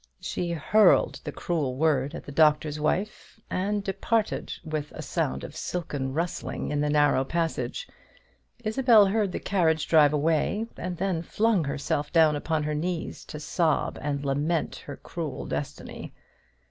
She hurled the cruel word at the Doctor's Wife, and departed with a sound of silken rustling in the narrow passage. Isabel heard the carriage drive away, and then flung herself down upon her knees, to sob and lament her cruel destiny.